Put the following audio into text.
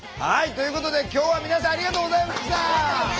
ということで今日は皆さんありがとうございました！